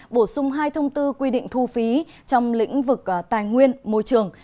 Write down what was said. bổ sung hai thông tư quy định thu phí trong lĩnh vực tài nguyên môi trường